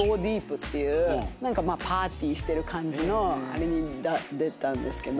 何かパーティーしてる感じのあれに出たんですけど。